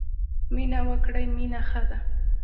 مینه وکړی مینه ښه ده.